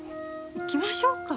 行きましょうか。